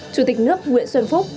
chủ tịch nước nguyễn xuân phúc